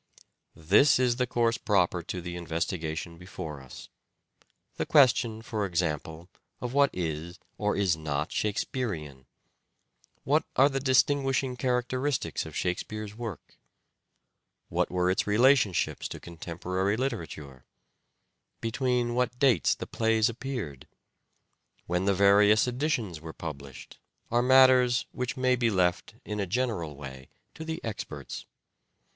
This is the course proper to the investigation before us. The question, for example, of what is, or is not Shakespearean ; what are the distinguishing characteristics of Shakespeare's work ; what were its relationships to contemporary literature ; between what dates the plays appeared ; when the various editions were published, are matters which may be left, in a general way, to the experts.